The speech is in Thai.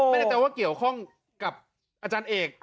ไม่แน่ใจว่าเกี่ยวข้องกับอาจารย์เอก